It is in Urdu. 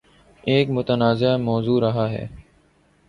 ایک متنازعہ موضوع رہا ہے